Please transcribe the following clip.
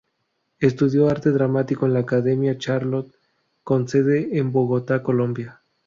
Estudió arte dramático en la "Academia Charlot", con sede en Bogotá, Colombia.